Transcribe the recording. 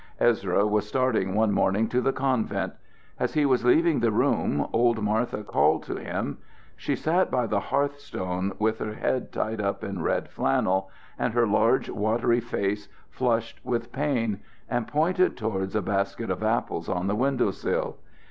Ezra was starting one morning to the convent. As he was leaving the room, old Martha called to him. She sat by the hearth stone, with her head tied up in red flannel, and her large, watery face flushed with pain, and pointed towards a basket of apples on the window sill.